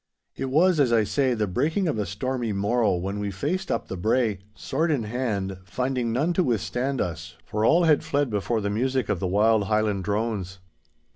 It was, as I say, the breaking of a stormy morrow when we faced up the brae, sword in hand, finding none to withstand us, for all had fled before the music of the wild Highland drones.